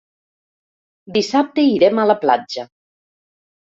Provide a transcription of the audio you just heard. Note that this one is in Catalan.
Dissabte irem a la platja.